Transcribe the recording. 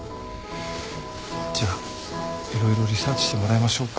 じゃあ色々リサーチしてもらいましょうか。